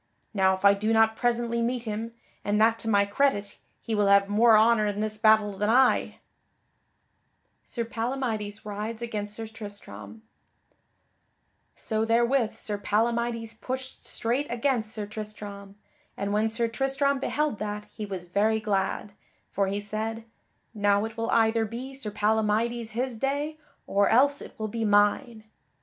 Now if I do not presently meet him, and that to my credit, he will have more honor in this battle than I." So therewith Sir Palamydes pushed straight against Sir Tristram, and [Sidenote: Sir Palamydes rides against Sir Tristram] when Sir Tristram beheld that he was very glad, for he said: "Now it will either be Sir Palamydes his day, or else it will be mine."